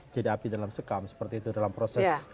jadi api dalam sekam seperti itu dalam proses